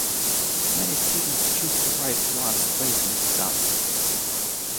Many students choose to write Advanced Placement exams.